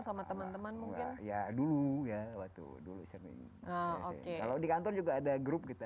sama teman teman mungkin ya dulu ya waktu dulu sering oke kalau di kantor juga ada grup kita